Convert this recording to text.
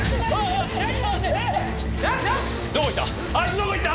どこ行った？